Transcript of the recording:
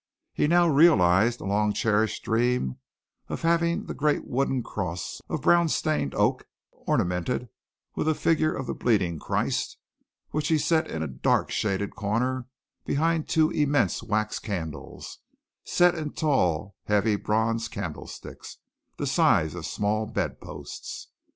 He now realized a long cherished dream of having the great wooden cross of brown stained oak, ornamented with a figure of the bleeding Christ, which he set in a dark shaded corner behind two immense wax candles set in tall heavy bronze candlesticks, the size of small bed posts.